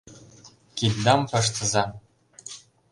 Киддам пыштыза!..